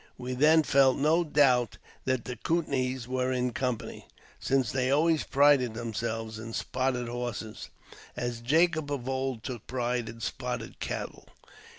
We then felt no doubt that the Coutnees were in company, since 18 274 AUTOBIOGBAPHY OF they always prided themselves in spotted horses, as Jacob of old took pride in spotted cattle.